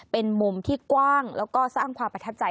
เป็นมุมที่กว้างแล้วก็สร้างความประทับใจ